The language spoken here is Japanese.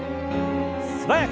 素早く。